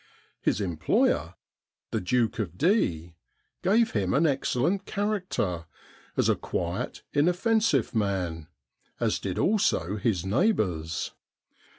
His employer, the Duke of D , gave him an excellent character as a quiet, inoffensive man, as did also his neighbours.